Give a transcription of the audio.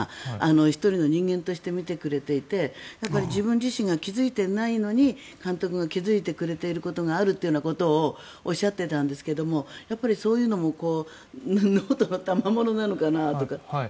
１人の人間として見てくれていて自分自身が気付いていないのに監督が気付いてくれていることがあるということをおっしゃっていたんですがそういうのもノートのたまものなのかなとか。